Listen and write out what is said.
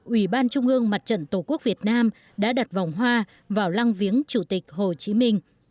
ubnd mặt trận tổ quốc việt nam đã đặt vòng hoa vào lăng viếng chủ tịch hồ chí minh